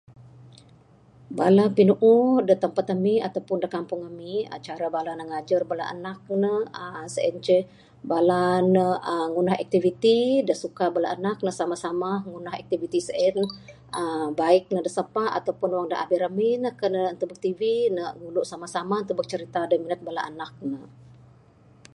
Bala pinuuh da tampat ami ato pun da kampung ami cara ne ngajar bala anak ne aaaa sien ceh, bala ne aaa, ngunah activity da suka bala anak. Samah samah ngunah activity sien aaa, bait ne da sapa ato pun uang abih ramin ne kan ne ra tubek tv, ne ngulu samah samah tubek cirita da minat bala anak ne.